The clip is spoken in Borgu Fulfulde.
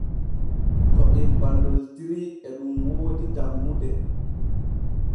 To em balloltiitri e ɗun woodi tanmude.